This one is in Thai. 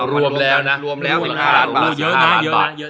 รวมแล้ว๑๕ล้านบาท